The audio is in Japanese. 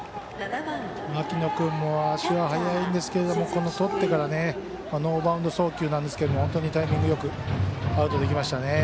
牧野君も足は速いんですがとってからノーバウンド送球なんですけど本当にタイミングよくアウトにできましたね。